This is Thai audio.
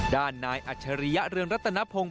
ด้านนายอัจฉริยะเรืองรัตนพงศ